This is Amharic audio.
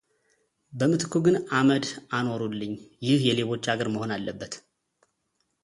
በምትኩ ግን አመድ አኖሩልኝ፡፡ ይህ የሌቦች አገር መሆን አለበት፡፡